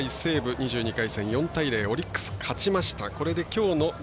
２２回戦、４対０オリックス、勝ちました。